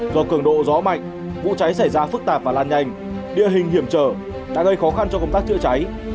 do cường độ gió mạnh vụ cháy xảy ra phức tạp và lan nhanh địa hình hiểm trở đã gây khó khăn cho công tác chữa cháy